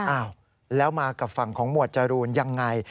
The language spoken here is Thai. อ้าวแล้วมากับฝั่งของหมวดจรูนยังไง